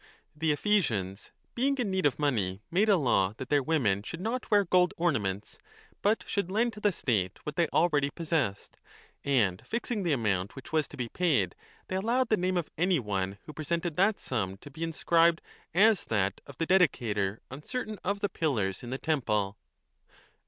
The Ephesians, being in need of money, made a law that their women should not wear gold ornaments, but 10 should lend to the state what they already possessed ; and fixing the amount which was to be paid they allowed the name of any one who presented that sum to be inscribed as that of the dedicator on certain of the pillars in the temple.